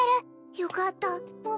よかった桃